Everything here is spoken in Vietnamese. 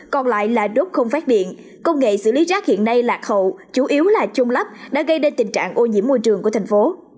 còn lại là đốt không phát điện công nghệ xử lý rác hiện nay lạc hậu chủ yếu là chung lấp đã gây đến tình trạng ô nhiễm môi trường của tp